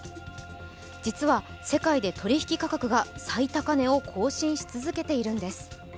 実は世界で取引価格が最高値を更新し続けているんです。